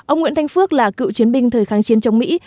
ông nguyễn thành phước là cựu chiến binh thời kháng chiến trong mỹ